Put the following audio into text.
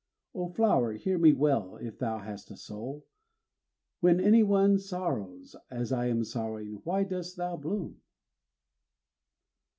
O flower, hear me well if thou hast a soul! When any one sorrows as I am sorrowing, why dost thou bloom?